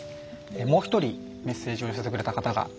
もう一人メッセージを寄せてくれた方がいます。